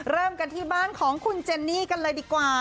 เริ่มกันที่บ้านของคุณเจนนี่กันเลยดีกว่า